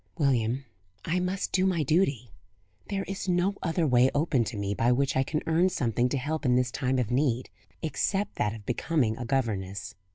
"William, I must do my duty. There is no other way open to me, by which I can earn something to help in this time of need, except that of becoming a governess.